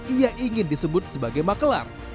ia ingin disebut sebagai makelar